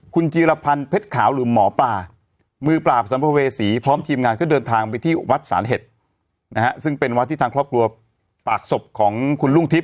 คุณจีรพันธ์เพชรขาวหรือหมอปลามือปราบสัมภเวษีพร้อมทีมงานก็เดินทางไปที่วัดสานเห็ดนะฮะซึ่งเป็นวัดที่ทางครอบครัวฝากศพของคุณลุงทิพย